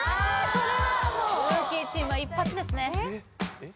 これはもうルーキーチームは一発ですねえっ